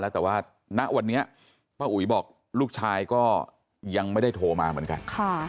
แต่ว่าณวันนี้ป้าอุ๋ยบอกลูกชายก็ยังไม่ได้โทรมาเหมือนกัน